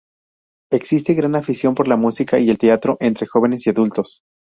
Existe gran afición por la música y el teatro entre jóvenes y adultos.